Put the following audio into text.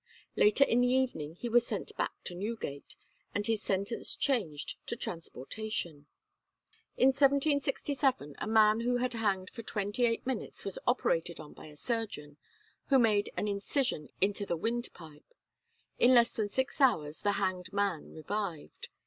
Later in the evening he was sent back to Newgate, and his sentence changed to transportation. In 1767, a man who had hanged for twenty eight minutes was operated on by a surgeon, who made an incision into the windpipe. In less than six hours the hanged man revived.